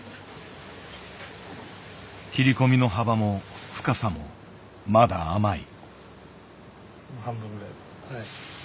切り込みの幅も深さもまだ甘い。